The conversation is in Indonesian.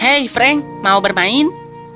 hei frank mau bermain